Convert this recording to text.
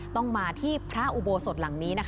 ต้องมาที่พระอุโบสถหลังนี้